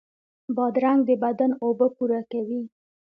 بادرنګ د بدن اوبه پوره کوي.